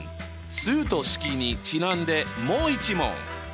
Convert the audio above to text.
「数と式」にちなんでもう一問！